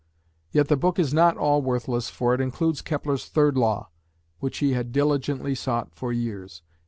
Yet the book is not all worthless for it includes Kepler's Third Law, which he had diligently sought for years.